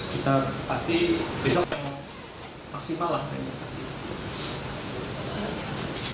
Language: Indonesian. kita pasti besok yang maksimal lah